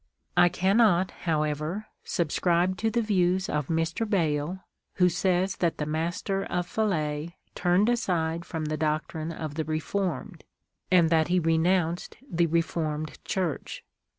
I cannot, however, subscribe to the views of Mr. Bayle, who says that the Master of Falais turned aside from the doctrine of the Re formed, and that he renounced the Reformed Church.